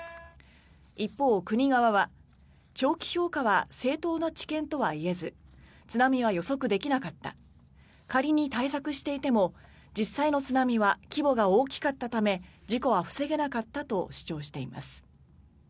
一方、国側は長期評価は正当な知見とは言えず津波は予測できなかった仮に対策していても実際の津波は規模が大きかったため事故は防げなかったと主張しています。